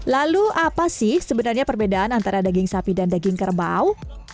lalu apa sih sebenarnya perbedaan antara daging sapi dan daging kerbau